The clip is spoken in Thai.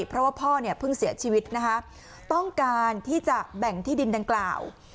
เพราะว่าพ่อเนี่ยเพิ่งเสียชีวิตนะคะต้องการที่จะแบ่งที่ดินดังกล่าว